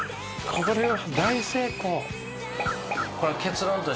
これは。